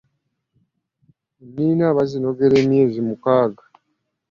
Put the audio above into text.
Eniina bazinogera emyezi mukaaga